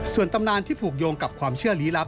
ส่วนตำนานที่ผูกโยงกับความเชื่อลี้ลับ